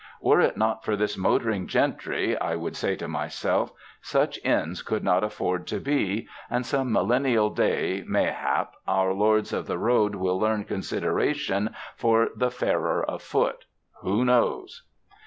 "Were it not for this motoring gentry," I would say to ray self, "such inns could not afford to be, and some mil lennial day, mayhap, our lords of the road will learn consideration for the farer afoot — who knows?"